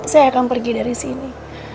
saya akan pergi dari sini